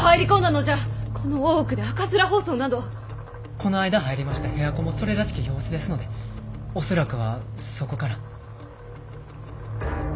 この間入りました部屋子もそれらしき様子ですので恐らくはそこから。